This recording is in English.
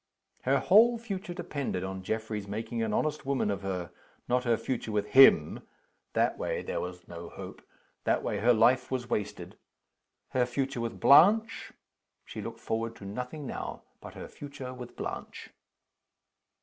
Her whole future depended on Geoffrey's making an honest woman of her. Not her future with him that way there was no hope; that way her life was wasted. Her future with Blanche she looked forward to nothing now but her future with Blanche.